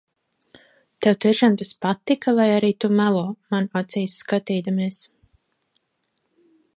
Tev tiešām tas patika, vai arī tu melo, man acīs skatīdamies?